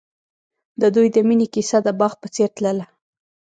د دوی د مینې کیسه د باغ په څېر تلله.